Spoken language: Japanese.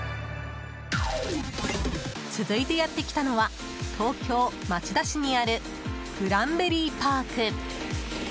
続いて、やってきたのは東京・町田市にあるグランベリーパーク。